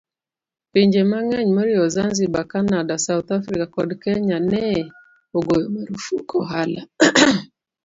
Pinje mang'eny moriwo Zanzibar, Canada, South Africa, kod Kenya ne ogoyo marfuk ohala